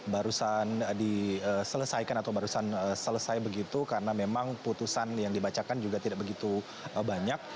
barusan diselesaikan atau barusan selesai begitu karena memang putusan yang dibacakan juga tidak begitu banyak